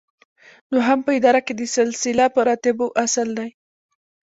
دوهم په اداره کې د سلسله مراتبو اصل دی.